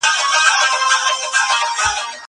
زه مکتب ته تللي دي!!